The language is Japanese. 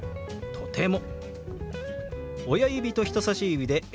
「とても」。